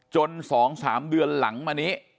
๒๓เดือนหลังมานี้